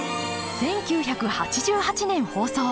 １９８８年放送。